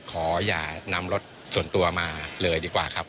ขออย่านำรถส่วนตัวมาเลยดีกว่าครับ